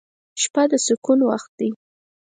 • شپه د سکون وخت دی.